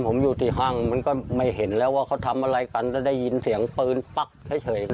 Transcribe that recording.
ผมอยู่ที่ห้างมันก็ไม่เห็นแล้วว่าเขาทำอะไรกันแล้วได้ยินเสียงปืนปั๊กเฉย